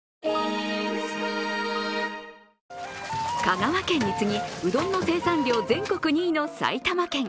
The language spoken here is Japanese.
香川県に次ぎ、うどんの生産量全国２位の埼玉県。